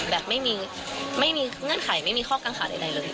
แบบไม่มีเงื่อนไขไม่มีข้อกังขาใดเลย